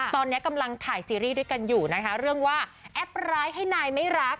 ตอนนี้กำลังถ่ายซีรีส์ด้วยกันอยู่นะคะเรื่องว่าแอปร้ายให้นายไม่รัก